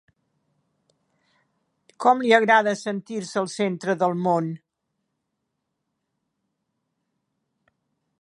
Com li agrada sentir-se el centre del món!